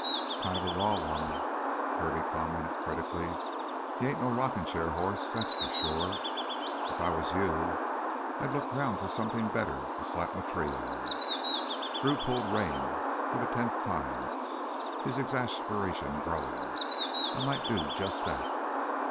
"Kinda a raw one," Kirby commented critically. "He ain't no rockin' chair hoss, that's for sure. If I was you, I'd look round for somethin' better to slap m' tree on " Drew pulled rein for the tenth time, his exasperation growing. "I might do just that."